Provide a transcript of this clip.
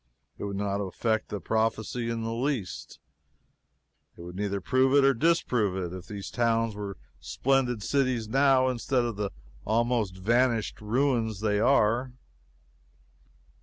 It would not affect the prophecy in the least it would neither prove it or disprove it if these towns were splendid cities now instead of the almost vanished ruins they are.